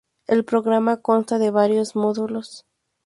El programa consta de varios módulos.